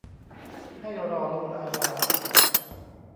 ให้รอลงอาญา